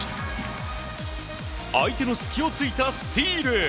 相手の隙を突いたスティール。